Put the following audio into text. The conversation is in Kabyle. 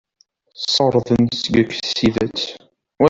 Sserḍen seg-k s tidet.